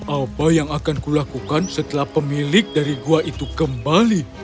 apa yang akan kulakukan setelah pemilik dari gua itu kembali